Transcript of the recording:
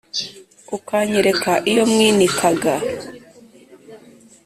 ukanyereka iyo mwinikaga